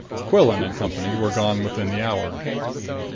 Quillan and company were gone within the hour.